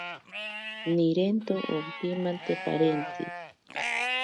Nirento ompimante parentzi.